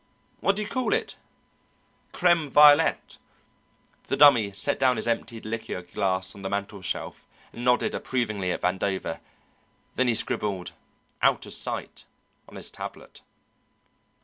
What do you call it?" "Crème violette." The Dummy set down his emptied liqueur glass on the mantelshelf, and nodded approvingly at Vandover; then he scribbled, "Out of sight," on his tablet.